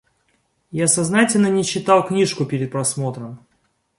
Я сознательно не читал книжку перед просмотром.